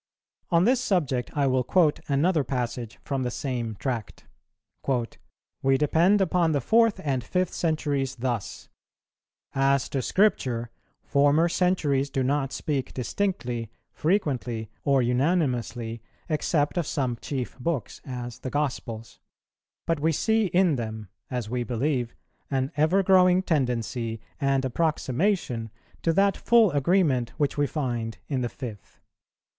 On this subject I will quote another passage from the same Tract: "We depend upon the fourth and fifth centuries thus: As to Scripture, former centuries do not speak distinctly, frequently, or unanimously, except of some chief books, as the Gospels; but we see in them, as we believe, an ever growing tendency and approximation to that full agreement which we find in the fifth.